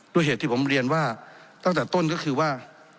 เหตุที่ผมเรียนว่าตั้งแต่ต้นก็คือว่า